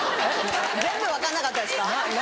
全部分かんなかったですか。